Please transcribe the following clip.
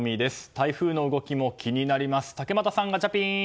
台風の動きも気になります。